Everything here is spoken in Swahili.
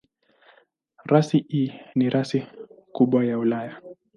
Rasi hii ni rasi kubwa ya Ulaya.